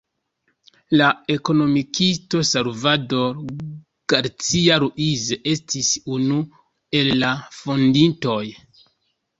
La ekonomikisto Salvador Garcia-Ruiz estis unu el la fondintoj.